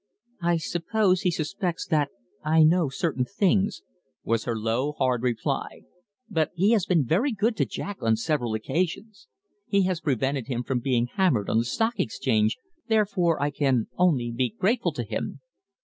"I suppose he suspects that I know certain things," was her low, hard reply. "But he has been very good to Jack on several occasions. He has prevented him from being hammered on the Stock Exchange, therefore I can only be grateful to him."